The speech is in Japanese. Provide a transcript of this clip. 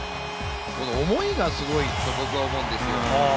思いがすごいと思うんですよね、僕は。